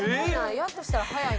やとしたら早いな。